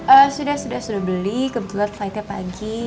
eh sudah sudah sudah beli kebetulan flightnya pagi